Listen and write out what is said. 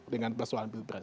dengan persoalan pil pres